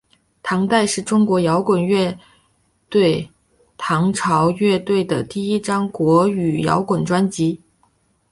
唐朝是中国摇滚乐队唐朝乐队的第一张国语摇滚专辑。